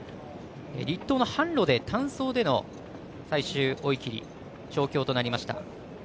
栗東の坂路で単走での最終追い切り調教となりました。